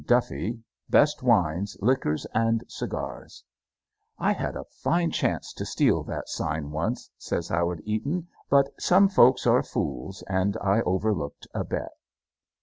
Duffy Best Wines, Liquors, and Cigars "I had a fine chance to steal that sign once," says Howard Eaton, "but some folks are fools, and I overlooked a bet."